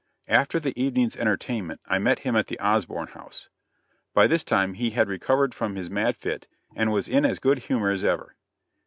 After the evening's entertainment I met him at the Osborn House. By this time he had recovered from his mad fit and was in as good humor as ever.